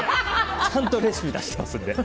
ちゃんとレシピ出してますので。